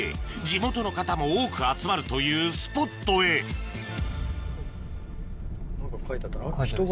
地元の方も多く集まるというスポットへ書いてあった？